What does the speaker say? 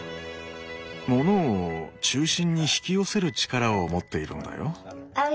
モノを中心に引き寄せる力を持っているんだよ。